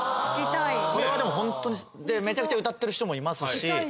これはでもホントにめちゃくちゃ歌ってる人もいますし。